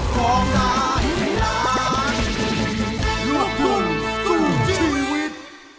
ของน้องอายเขานักอย่ารอให้ถึงปีหน้า